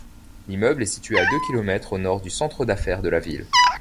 L'immeuble est situé à deux kilomètres au nord du centre d'affaires de la ville.